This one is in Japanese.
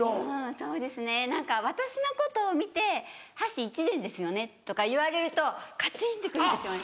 そうですね何か私のことを見て「箸１膳ですよね」とか言われるとカチンって来るんですよね。